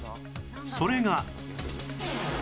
それが